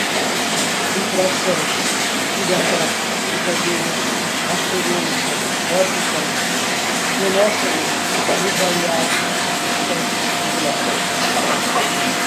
ultra-som, gigahertz, ultravioleta, astronômica, órbita, monótono, invariável, constante, regular